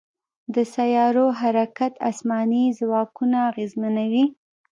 د سیارو حرکت اسماني ځواکونه اغېزمنوي.